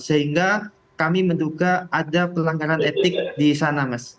sehingga kami menduga ada pelanggaran etik di sana mas